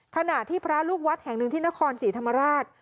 ขณะที่พระลูกวัดแห่งหนึ่งที่นครศรีธรรมราช